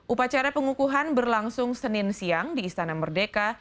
upacara pengukuhan berlangsung senin siang di istana merdeka